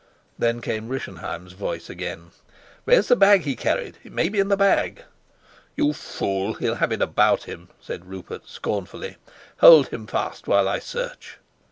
Then came Rischenheim's voice again. "Where's the bag he carried? It may be in the bag." "You fool, he'll have it about him," said Rupert, scornfully. "Hold him fast while I search."